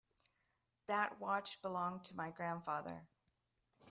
That watch belonged to my grandfather.